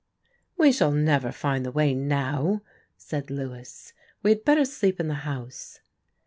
"We shall never find the way now," said Lewis. "We had better sleep in the house."